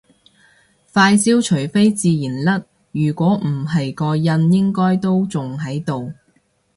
塊焦除非自然甩如果唔係個印應該都仲喺度